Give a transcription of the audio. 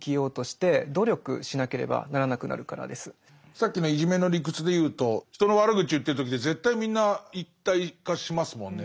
さっきのいじめの理屈で言うと人の悪口言ってる時って絶対みんな一体化しますもんね。